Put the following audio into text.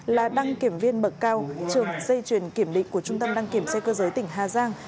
là đăng kiểm viên bậc cao trường dây chuyền kiểm định của trung tâm đăng kiểm xe cơ giới tỉnh hà giang